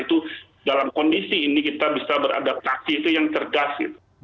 itu dalam kondisi ini kita bisa beradaptasi itu yang cerdas